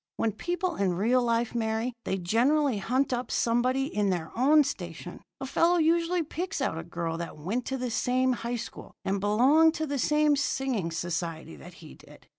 When people in real life marry, they generally hunt up somebody in their own station. A fellow usually picks out a girl that went to the same high school and belonged to the same singing society that he did.